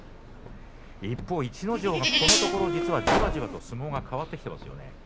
一方、逸ノ城がこのところじわじわと相撲が変わってきていますよね。